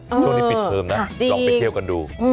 ช่วงนี้ปิดเทิมนะลองไปเที่ยวกันดู